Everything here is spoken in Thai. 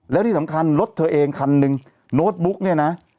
แล้วที่สำคัญรถเธอเองคันหนึ่งโน้ตบุ๊กเนี่ยนะ